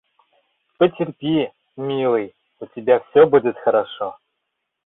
Потерпи, милый, у тебя все будет хорошо...